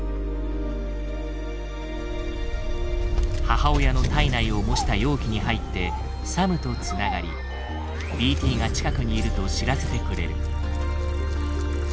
母親の胎内を模した容器に入ってサムと繋がりＢＴが近くにいると知らせてくれる。